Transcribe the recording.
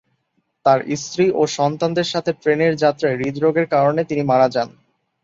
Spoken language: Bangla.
তার স্ত্রী ও সন্তানদের সাথে ট্রেনের যাত্রায় হৃদরোগের কারণে তিনি মারা যান।